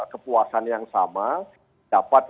kepuasan yang sama dapat